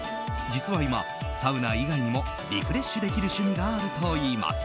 実は今、サウナ以外にもリフレッシュできる趣味があるといいます。